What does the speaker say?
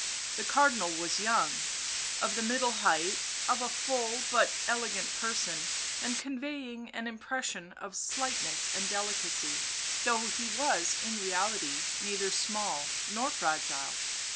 The Car dinal was young, of the middle height, of a full but elegant person and conveying an impression of slight ness and delicacy, though he was in reality neither small nor fragile.